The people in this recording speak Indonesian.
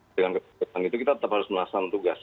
dengan kekuatan itu kita tetap harus melaksanakan tugas